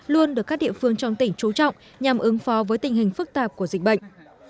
luôn được các địa phương trong tỉnh trú trọng nhằm ứng phó với tình hình phức tạp của dịch bệnh